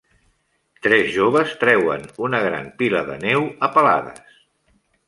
Tres joves treuen una gran pila de neu a palades.